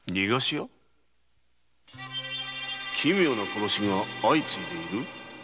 奇妙な殺しが相次いでいる？